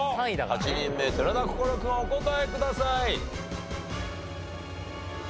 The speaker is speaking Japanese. ８人目寺田心君お答えください。